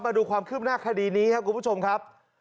มาดูความคืบหน้าคดีนี้ครับคุณผู้ชมครับ